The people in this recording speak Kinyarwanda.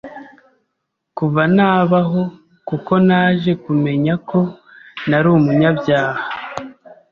kuva nabaho kuko naje kumenya ko nari umunyabyaha